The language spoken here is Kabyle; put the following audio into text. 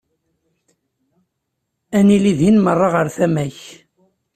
Ad nili din merra ɣer tama-k.